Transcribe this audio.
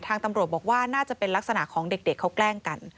ตำรวจบอกว่าน่าจะเป็นลักษณะของเด็กเขาแกล้งกัน